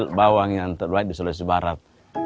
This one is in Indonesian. jadi kita bisa membuat kekuatan yang lebih baik di sulawesi barat